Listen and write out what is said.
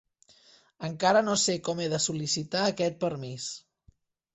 Encara no sé com he de sol·licitar aquest permís.